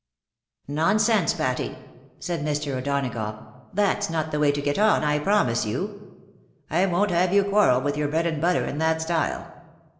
"Nonsense, Pfitty," said Mr. O'Donagough, " iAai's not the way to get on, I promise you. I won't have you quarrel with your bread and butter in that style.